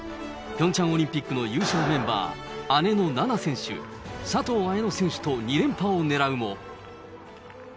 ピョンチャンオリンピックの優勝メンバー、姉の菜那選手、佐藤綾乃選手と２連覇をねらうも。